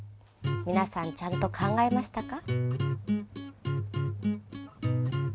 皆さんちゃんと考えましたか？